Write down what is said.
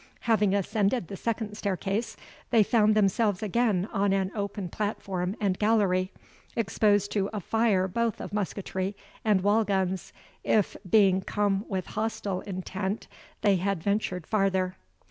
Having ascended the second staircase, they found themselves again on an open platform and gallery, exposed to a fire both of musketry and wall guns, if, being come with hostile intent, they had ventured farther.